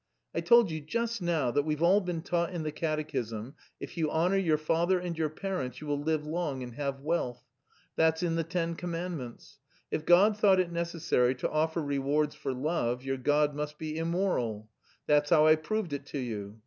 "I told you just now that we've all been taught in the Catechism if you honour your father and your parents you will live long and have wealth. That's in the Ten Commandments. If God thought it necessary to offer rewards for love, your God must be immoral. That's how I proved it to you.